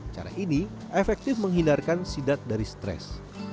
cara ini efektif menghindarkan sidat dari stres